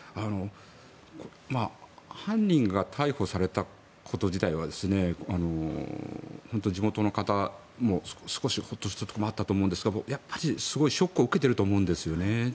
犯人が逮捕されたこと自体は本当に地元の方も少しホッとするところもあったと思いますが、すごいショックを受けていると思うんですよね。